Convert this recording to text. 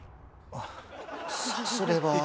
あさすれば。